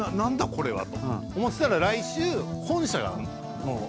これはと思ってたら。